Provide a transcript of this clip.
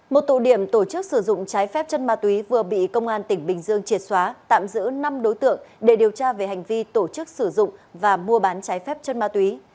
một tụ điểm tổ chức sử dụng trái phép chân ma túy vừa bị công an tỉnh bình dương triệt xóa tạm giữ năm đối tượng để điều tra về hành vi tổ chức sử dụng và mua bán trái phép chân ma túy